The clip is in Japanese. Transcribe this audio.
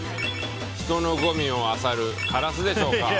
人のゴミをあさるカラスでしょうか。